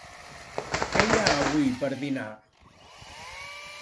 Què hi ha avui per dinar?